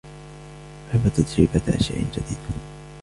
أُحب تجربة أشياء جديدة.